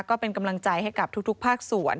ก็เป็นกำลังใจให้กับทุกภาคส่วน